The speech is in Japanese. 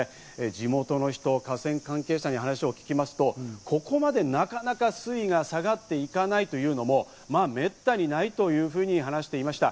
地元の人、河川関係者に話を聞きますと、ここまでなかなか水位が下がっていかないというのも、まぁ、めったにないというふうに話していました。